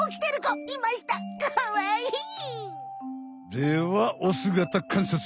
ではおすがたかんさつ。